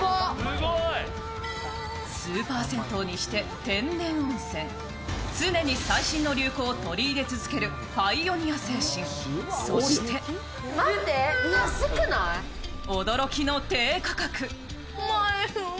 スーパー銭湯にして天然温泉常に最新の流行を取り入れ続けるパイオニア精神、そして、驚きの低価格。